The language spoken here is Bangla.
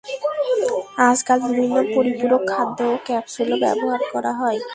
আজকাল বিভিন্ন পরিপূরক খাদ্য ও ক্যাপসুলও ব্যবহার করা হয়।